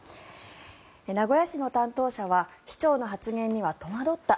名古屋市の担当者は市長の発言には戸惑った。